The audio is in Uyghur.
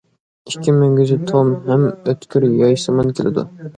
ئىككى مۈڭگۈزى توم ھەم ئۆتكۈر يايسىمان كېلىدۇ.